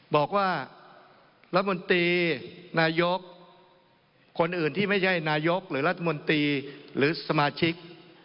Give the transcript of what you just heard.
บอกว่ารัฐมนตรีนายกคนอื่นที่ไม่ใช่นายกหรือรัฐมนตรีหรือสมาชิก